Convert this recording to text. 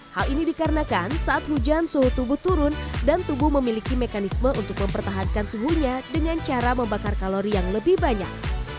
hal ini dikarenakan saat hujan suhu tubuh turun dan tubuh memiliki mekanisme untuk mempertahankan suhunya dengan cara membakar kalori yang lebih banyak